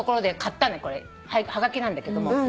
はがきなんだけども。